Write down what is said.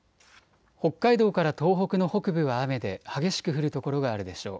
北海道から東北の北部は雨で激しく降る所があるでしょう。